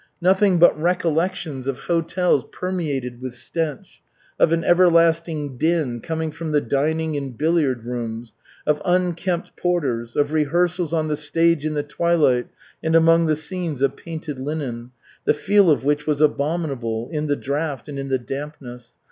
Nothing but recollections of hotels permeated with stench, of an everlasting din coming from the dining and billiard rooms, of unkempt porters, of rehearsals on the stage in the twilight and among the scenes of painted linen, the feel of which was abominable, in the draught and in the dampness.